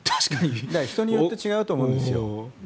人によって違うと思いますよ。